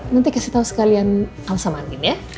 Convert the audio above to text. nanti kasih tahu sekalian kalau sama anin ya